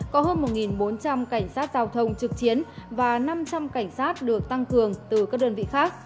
có hơn một bốn trăm linh cảnh sát giao thông trực chiến và năm trăm linh cảnh sát được tăng cường từ các đơn vị khác